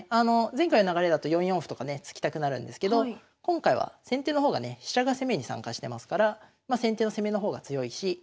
前回の流れだと４四歩とかね突きたくなるんですけど今回は先手の方がね飛車が攻めに参加してますからまあ先手の攻めの方が強いし